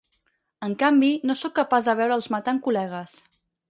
En canvi, no soc capaç de veure'l matant col·legues.